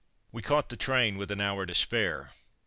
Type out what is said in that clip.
We caught the train with an hour to spare.